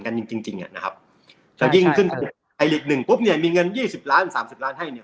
กันยิ่งจริงจริงอะนะครับครับอ่าเงินสามสิบล้านให้เนี้ย